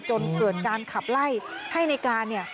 จนเกิดการขับไล่ให้ในการเนี่ย